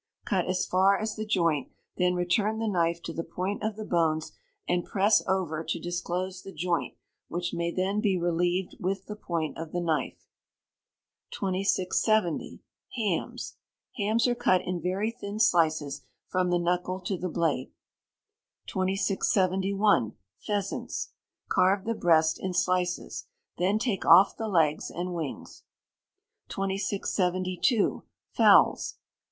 Cut as far as the joint, then return the knife to the point of the bones, and press over, to disclose the joint, which may then be relieved with the point of the knife. 2670. Hams. Hams are cut in very thin slices from the knuckle to the blade. 2671. Pheasants. Carve the breast in slices. Then take off the legs and wings. 2672. Fowls.